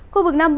khu vực năm